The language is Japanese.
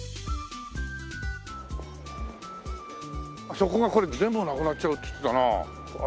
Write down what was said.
そこがこれ全部なくなっちゃうって言ってたなあ。